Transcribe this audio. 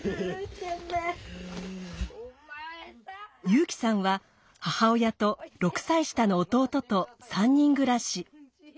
優輝さんは母親と６歳下の弟と３人暮らし。